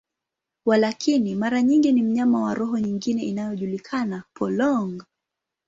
Walakini, mara nyingi ni mnyama wa roho nyingine inayojulikana, polong.